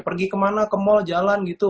pergi kemana ke mall jalan gitu